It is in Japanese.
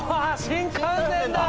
新幹線だ！